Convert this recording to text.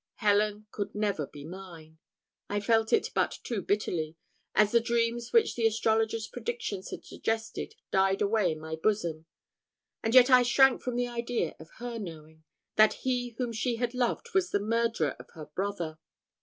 Helen could never be mine; I felt it but too bitterly, as the dreams which the astrologer's prediction had suggested died away in my bosom and yet I shrank from the idea of her knowing, that he whom she had loved was the murderer of her brother.